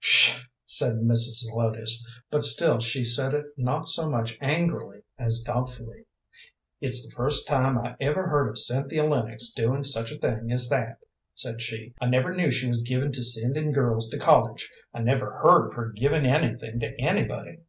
"Pshaw!" said Mrs. Zelotes; but still she said it not so much angrily as doubtfully. "It's the first time I ever heard of Cynthia Lennox doing such a thing as that," said she. "I never knew she was given to sending girls to college. I never heard of her giving anything to anybody."